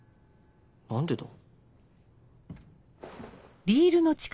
何でだ？